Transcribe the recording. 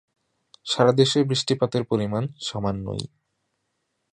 সারা দেশে বৃষ্টিপাতের পরিমাণ সামান্যই।